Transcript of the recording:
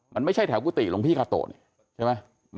มันไม่ใช่แถวกุฏิหลวงพี่กาโตะนี่ใช่ไหม